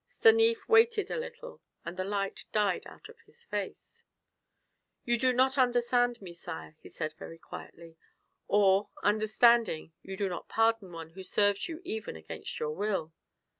Stanief waited a little, and the light died out of his face. "You do not understand me, sire," he said, very quietly. "Or, understanding, you do not pardon one who serves you even against your will.